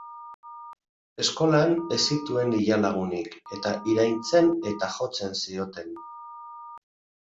Eskolan ez zituen ia lagunik, eta iraintzen eta jotzen zioten.